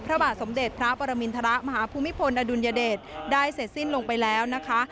พระบาทสมเด็จพระปรมินทรมาฮภูมิพลอดุลยเดชได้เสร็จสิ้นลงไปแล้วนะคะ